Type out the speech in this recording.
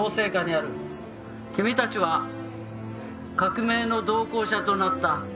「君たちは革命の同行者となった」